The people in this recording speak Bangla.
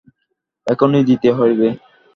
এখনি দিতে হইবে।